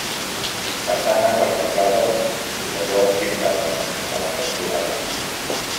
Façanes arrebossades i rajoles pintades amb elements florals.